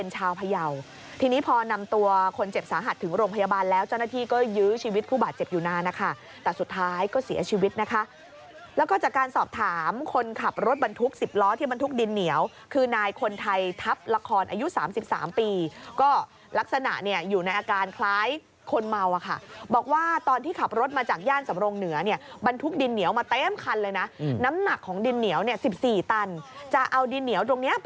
เจ้าหน้าที่ก็ยื้อชีวิตผู้บาดเจ็บอยู่นานนะคะแต่สุดท้ายก็เสียชีวิตนะคะแล้วก็จากการสอบถามคนขับรถบรรทุก๑๐ล้อที่บรรทุกดินเหนียวคือนายคนไทยทัพละครอายุ๓๓ปีก็ลักษณะเนี่ยอยู่ในอาการคล้ายคนเมาอ่ะค่ะบอกว่าตอนที่ขับรถมาจากย่านสำรงเหนือเนี่ยบรรทุกดินเหนียวมาเต้มคันเลยนะน้ำหนักของดิ